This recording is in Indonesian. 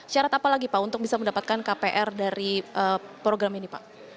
syarat apa lagi pak untuk bisa mendapatkan kpr dari program ini pak